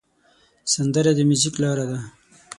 سندره د میوزیک لاره ده